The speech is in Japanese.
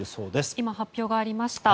今、発表がありました。